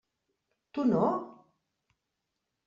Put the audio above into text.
Tu no?